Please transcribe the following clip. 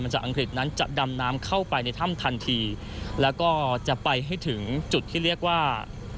จากอังกฤษนั้นจะดำน้ำเข้าไปในถ้ำทันทีแล้วก็จะไปให้ถึงจุดที่เรียกว่า